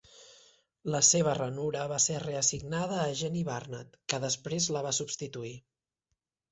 La seva ranura va ser reassignada a Jeni Barnett, que després la va substituir.